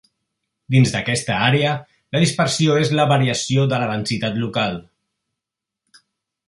Dins d'aquesta àrea, la dispersió és la variació de la densitat local.